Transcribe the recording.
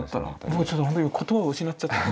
もうちょっとほんとに言葉を失っちゃった。